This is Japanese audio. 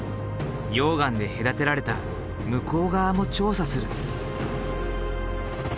溶岩で隔てられた向こう側も調査する。